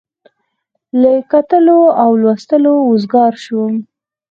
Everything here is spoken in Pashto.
له کتلو او لوستلو وزګار شوم.